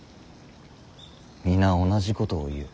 皆同じことを言う。